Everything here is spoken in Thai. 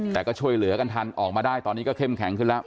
แต่ก็ช่วยเหลือกันทันออกมาได้ตอนนี้ก็เข้มแข็งขึ้นแล้ว